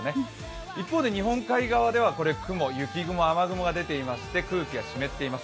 一方で日本海側では雲、雪雲、雨雲が出ていまして空気が湿っています。